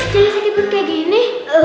kenapa jadi saya dibut kayak gini